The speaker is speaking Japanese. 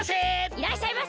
いらっしゃいませ！